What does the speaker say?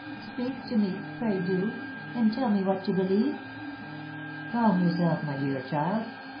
Speak to me! pray do; and tell me what to believe." "Calm yourself, my dear child!